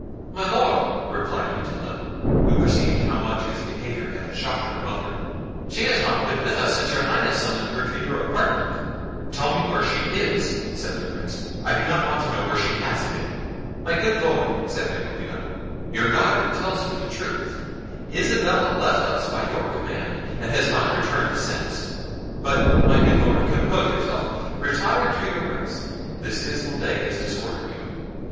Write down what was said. "My Lord," replied Matilda, who perceived how much his behaviour had shocked her mother, "she has not been with us since your Highness summoned her to your apartment." "Tell me where she is," said the Prince; "I do not want to know where she has been." "My good Lord," says Hippolita, "your daughter tells you the truth: Isabella left us by your command, and has not returned since;—but, my good Lord, compose yourself: retire to your rest: this dismal day has disordered you.